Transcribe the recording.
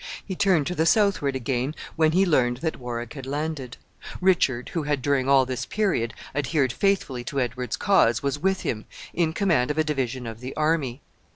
He turned to the southward again when he learned that Warwick had landed. Richard, who had, during all this period, adhered faithfully to Edward's cause, was with him, in command of a division of the army.